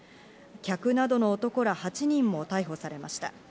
客などの男ら８人も逮捕されました。